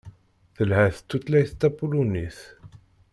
Telhat tutlayt tapulunit.